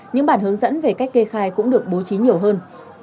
những bản hướng dẫn về cách kê khai cũng được bố trí nhiều hơn